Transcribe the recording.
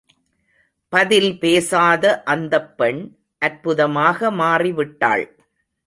பதில் பேசாத அந்தப் பெண், அற்புதமாக மாறி விட்டாள்.